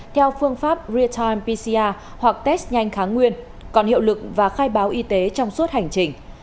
theo phương pháp real time pcr hoặc test nhanh kháng nguyên còn hiệu lực và khai báo y tế trong suốt hành trình